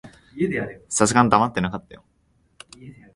さすがに黙ってなかったよ。